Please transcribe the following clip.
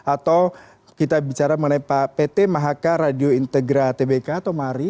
atau kita bicara mengenai pt mahaka radio integra tbk atau mari